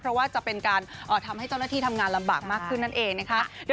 เพราะว่าจะเป็นการทำให้เจ้าหน้าที่ทำงานลำบากมากขึ้นนั่นเองนะคะ